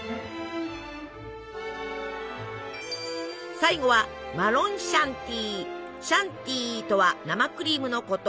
最後は「シャンティイ」とは生クリームのこと。